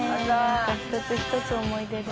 「また一つ一つ思い出で」